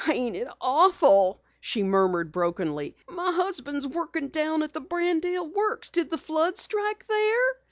"Ain't it awful?" she murmured brokenly. "My husband's workin' down at the Brandale Works. Did the flood strike there?"